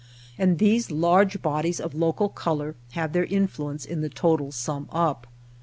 And these large bodies of local color have their influence in the total sum up.